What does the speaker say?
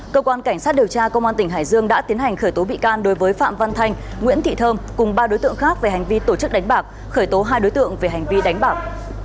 cơ quan cảnh sát điều tra công an tỉnh hải dương đã tiến hành khởi tố bị can đối với phạm văn thanh nguyễn thị thơm cùng ba đối tượng khác về hành vi tổ chức đánh bạc khởi tố hai đối tượng về hành vi đánh bạc